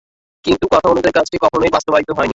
কিন্তু কথা অনুযায়ী কাজটি কখনোই বাস্তবায়িত হয়নি।